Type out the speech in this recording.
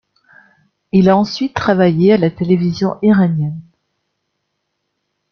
Il a ensuite travaillé à la télévision iranienne.